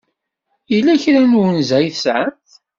Yella kra n unza ay tesɛamt?